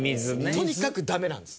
とにかくダメなんです。